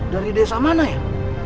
dari desa mana ya